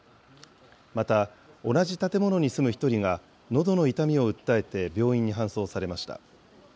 また、同じ建物に住む１人がのどの痛みを訴えて病院に搬送されました。